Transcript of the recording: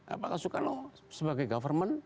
apakah soekarno sebagai government